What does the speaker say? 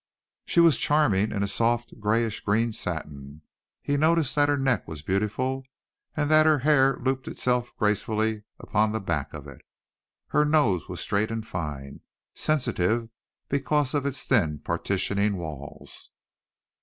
She was charming in a soft grayish green satin. He noticed that her neck was beautiful and that her hair looped itself gracefully upon the back of it. Her nose was straight and fine, sensitive because of its thin partitioning walls.